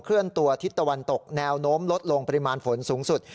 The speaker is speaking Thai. เลื่อนตัวทิศตะวันตกแนวโน้มลดลงปริมาณฝนสูงสุด